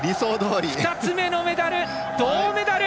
２つ目のメダル銅メダル！